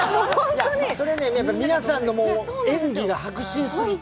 皆さんの演技が迫真すぎて。